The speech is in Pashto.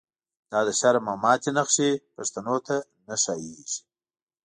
دا د شرم او ماتی نښی، پښتنو ته نه ښا ييږی